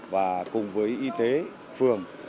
và cùng với y tế phường